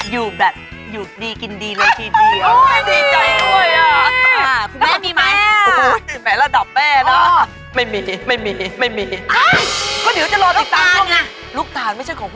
อยู่แบบอยู่ดีกินดีเลยทีเดียว